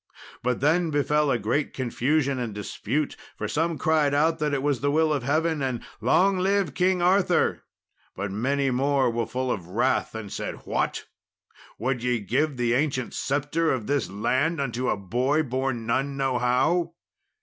But then befell a great confusion and dispute, for some cried out it was the will of Heaven, and, "Long live King Arthur," but many more were full of wrath and said, "What! would ye give the ancient sceptre of this land unto a boy born none know how?"